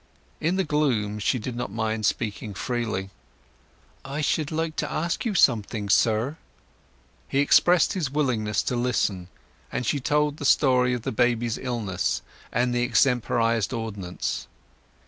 In the gloom she did not mind speaking freely. "I should like to ask you something, sir." He expressed his willingness to listen, and she told the story of the baby's illness and the extemporized ordinance.